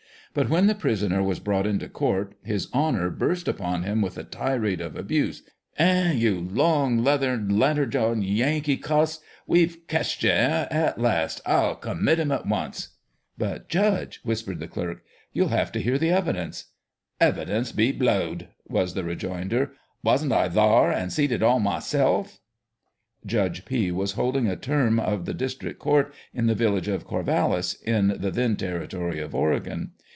But when the prisoner was brought into court, his honour burst upon him with a tirade of abuse :" E e h ! Ye long, leathern, lantern jawed, Yankee cuss, we've ketched you, e e h, at last ? I'll commit him at once !" "But, judge," whispered the clerk, "you'll have to hear the evidence." " Evidence be blowed !" was the rejoinder. " Wasn't I thar, and see'd it all myself?" Judge P. was holding a term of the district court in the village of Corvallis, in the tlien territory of Oregon.